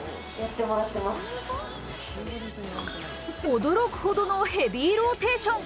驚くほどのヘビーローテーション。